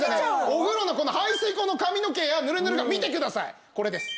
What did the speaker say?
お風呂の排水口の髪の毛やぬるぬるが見てくださいこれです。